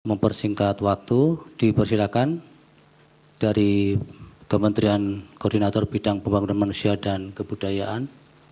mempersingkat waktu dipersilakan dari kementerian koordinator bidang pembangunan manusia dan kebudayaan